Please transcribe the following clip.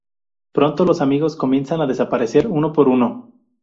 Pronto los amigos comienzan a desaparecer uno por uno.